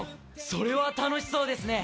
それは楽しそうですね。